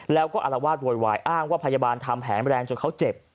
แล้วก็อารวาสโวยวายอ้างว่าพยาบาลทำแผนแรงจนเขาเจ็บ